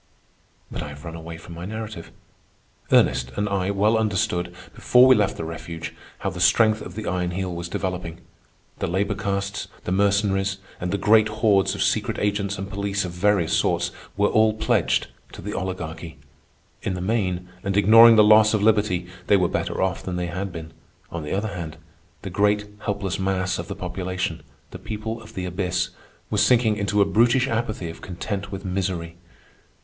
But I have run away from my narrative. Ernest and I well understood, before we left the refuge, how the strength of the Iron Heel was developing. The labor castes, the Mercenaries, and the great hordes of secret agents and police of various sorts were all pledged to the Oligarchy. In the main, and ignoring the loss of liberty, they were better off than they had been. On the other hand, the great helpless mass of the population, the people of the abyss, was sinking into a brutish apathy of content with misery.